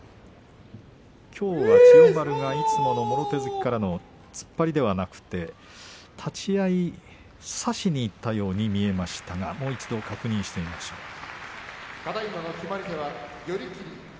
きょうは千代丸がいつものもろ手突きからの突っ張りではなく立ち合い、差しにいったように見えましたがもう一度確認してみましょう。